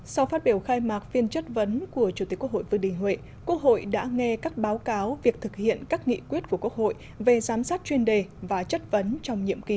sau phát biểu khai mạc phiên chất vấn của chủ tịch quốc hội vương đình huệ quốc hội đã nghe các báo cáo việc thực hiện các nghị quyết của quốc hội về giám sát chuyên đề và chất vấn trong nhiệm kỳ